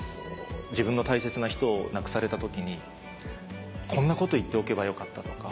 自分の大切な人を亡くされた時にこんなことを言っておけばよかったとか。